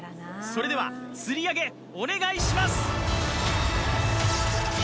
それでは吊り上げお願いします